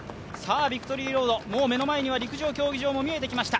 ビクトリーロード、目の前には陸上競技場も見えてきました。